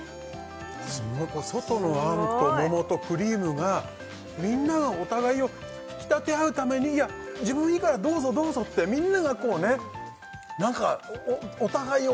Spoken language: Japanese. すごいこれ外のあんと桃とクリームがみんながお互いを引き立て合うためにいや「自分いいからどうぞどうぞ」ってみんながこうねなんかお互いを